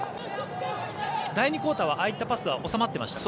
第２クオーターはああいったパスは収まっていましたね。